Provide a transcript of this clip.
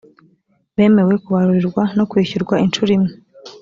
bemewe kubarurirwa no kwishyurwa inshuro imwe.